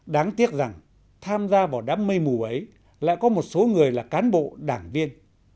đáng tiếc rằng tham gia vào đám mây mù ấy lại có một số người là cán bộ đảng viên